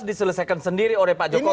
dua belas diselesaikan sendiri oleh pak jokowi